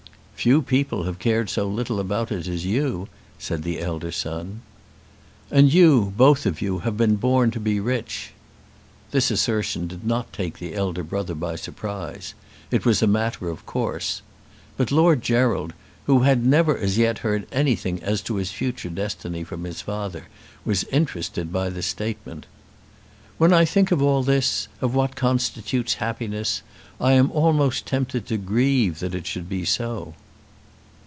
"Few people have cared so little about it as you," said the elder son. "And you, both of you, have been born to be rich." This assertion did not take the elder brother by surprise. It was a matter of course. But Lord Gerald, who had never as yet heard anything as to his future destiny from his father, was interested by the statement. "When I think of all this, of what constitutes happiness, I am almost tempted to grieve that it should be so."